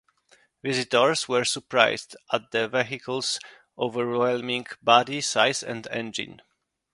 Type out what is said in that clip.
Visitors were surprised at the vehicle's overwhelming body size and engine.